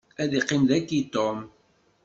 Ad iqqim dagi Tom.